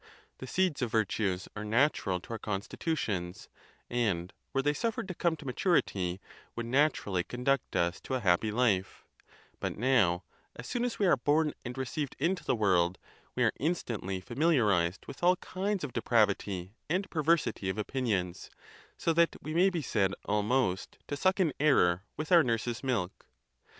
The seeds of virtues are natural to our constitu tions, and, were they suffered to come to maturity, would naturally conduct us to a happy life; but now, as soon as we are born and received into the world, we are instantly familiarized with all kinds of depravity and perversity of opinions; so that we may be said almost to suck in error with our nurse's milk.